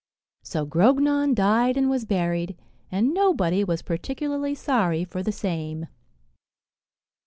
So Grognon died and was buried, and nobody was particularly sorry for the same.